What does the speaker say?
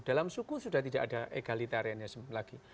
dalam suku sudah tidak ada egalitarianism lagi